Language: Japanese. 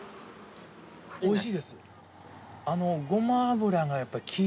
おいしいです。